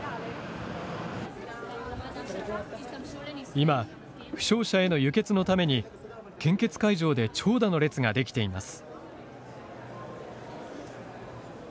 今、負傷者への輸血のために献血会場で長蛇の列ができています。